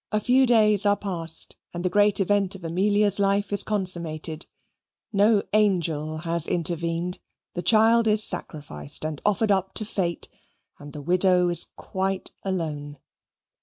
A few days are past, and the great event of Amelia's life is consummated. No angel has intervened. The child is sacrificed and offered up to fate, and the widow is quite alone.